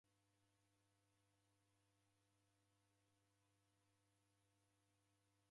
Agha matuku shida rechua.